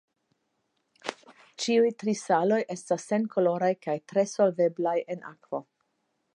Ĉiuj tri saloj estas senkoloraj kaj tre solveblaj en akvo.